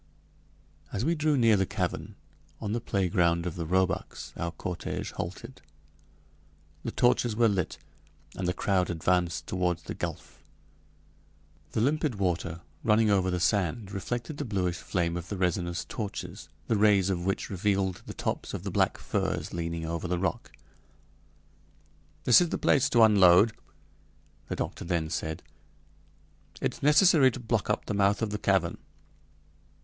As we drew near the cavern, on the playground of the roebucks, our cortége halted. The torches were lit, and the crowd advanced toward the gulf. The limpid water, running over the sand, reflected the bluish flame of the resinous torches, the rays of which revealed the tops of the black firs leaning over the rock. "This is the place to unload," the doctor then said. "It's necessary to block up the mouth of the cavern."